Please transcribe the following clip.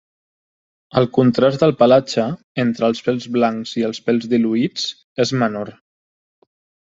El contrast del pelatge, entre els pèls blancs i els pèls diluïts és menor.